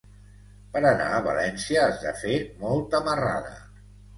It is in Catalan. Per anar a València has de fer molta marrada.